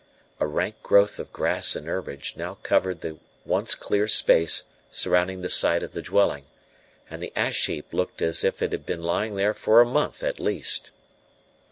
A rank growth of grass and herbage now covered the once clear space surrounding the site of the dwelling, and the ash heap looked as if it had been lying there for a month at least.